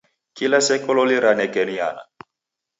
Kila seko loli ranekeriana?